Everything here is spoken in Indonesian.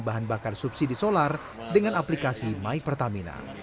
bahan bakar subsidi solar dengan aplikasi my pertamina